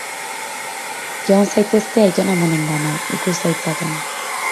Joan zaitezte aiton-amonengana, ikus zaitzaten.